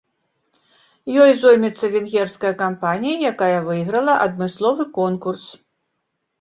Ёй зоймецца венгерская кампанія, якая выйграла адмысловы конкурс.